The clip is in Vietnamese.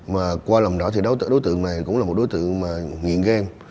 mà qua lòng đó thì đối tượng này cũng là một đối tượng mà nghiện ghen